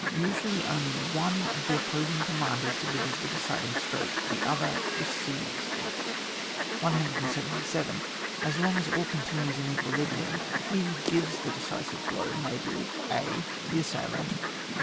Usually only one of the opposing commanders delivers the deciding stroke, the other receives it. 177. As long as all continues in equi librium, he who gives the decisive blow may be — (a) The assailant.